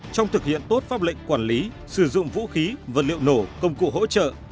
trong thực hiện tốt pháp lệnh quản lý sử dụng vũ khí vật liệu nổ công cụ hỗ trợ